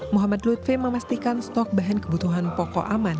muhammad lutfi memastikan stok bahan kebutuhan pokok aman